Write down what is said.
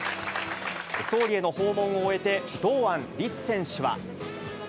総理への訪問を終えて、堂安律選